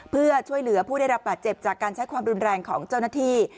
เพื่อช่วยเหลือผู้ได้รับบาดเจ็บจากการใช้ความรุนแรงของเจ้าหน้าที่